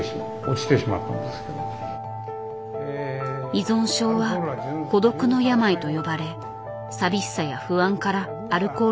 依存症は孤独の病と呼ばれ寂しさや不安からアルコールなどに頼り